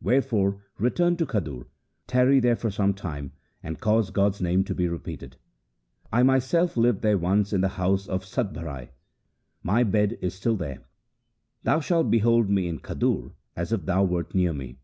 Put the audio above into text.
Wherefore return to Khadur, tarry there for some time, and cause God's name to be repeated. I myself lived there once in the house of Satbharai. My bed is still there. Thou shalt behold me in Khadur as if thou wert near me.'